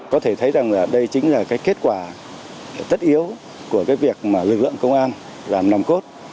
có thể thấy rằng đây chính là cái kết quả tất yếu của cái việc mà lực lượng công an làm nòng cốt